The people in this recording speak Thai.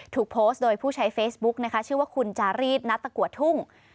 ถูกโพสต์โดยผู้ใช้เฟซบุ๊กนะคะชื่อว่าคุณจารีสนัตตะกัวทุ่ง